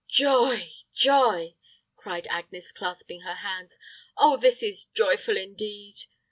"Joy, joy," cried Agnes, clasping her hands; "oh, this is joyful indeed!